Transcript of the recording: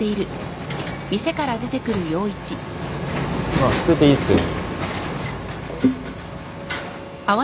あっ吸ってていいっすよ。